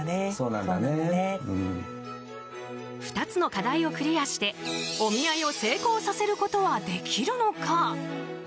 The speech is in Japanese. ２つの課題をクリアしてお見合いを成功させることはできるのか。